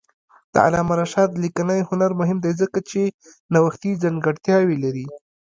د علامه رشاد لیکنی هنر مهم دی ځکه چې نوښتي ځانګړتیاوې لري.